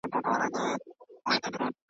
هغه ټولنه چي کتاب ته ارزښت ورکوي تل پرمختګ .